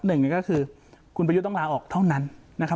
หนึ่งก็คือคุณประยุทธ์ต้องลาออกเท่านั้นนะครับ